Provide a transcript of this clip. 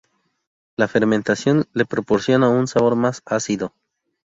La fermentación le proporciona un sabor más ácido.